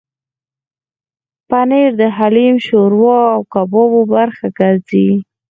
پنېر د حلیم، شوروا او کبابو برخه ګرځي.